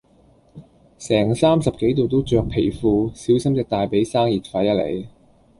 成三十幾度都著皮褲，小心隻大髀生熱痱呀你